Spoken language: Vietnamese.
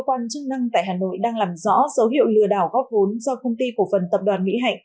cơ quan chức năng tại hà nội đang làm rõ dấu hiệu lừa đảo góp vốn do công ty cổ phần tập đoàn mỹ hạnh